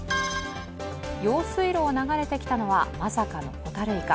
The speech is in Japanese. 用水路を流れてきたのはまさかのホタルイカ。